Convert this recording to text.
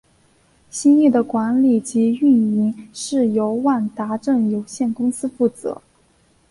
新翼的管理及营运是由万达镇有限公司负责。